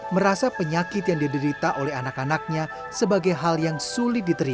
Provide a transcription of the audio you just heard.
merasa penyakit yang diderita oleh anak anaknya sebagai hal yang sulit diterima